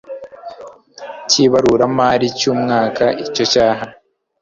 cy ibaruramari cy umwaka icyo cyaha